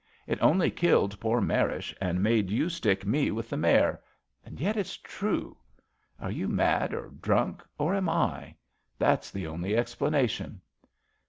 It only killed poor Marish and made you stick me with the mare; and yet it's true. Are you mad or drunk, or am I! That's the only explanation."